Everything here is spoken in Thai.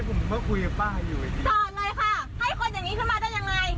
มันจะลุงให้ทานไปตอนนี้เดี๋ยวไม่เอาป้าทานอย่างงี้ได้ยังไง